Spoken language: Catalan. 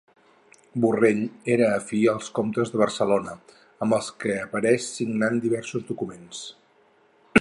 Borrell era afí als comtes de Barcelona, amb els que apareix signant diversos documents.